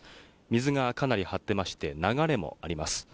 水がかなり張っていまして流れもあります。